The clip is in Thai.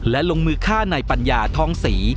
และลงมือฆ่านายปัญญาท้องศรี